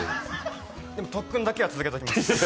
でも特訓だけは続けときます。